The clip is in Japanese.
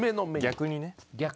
逆にね。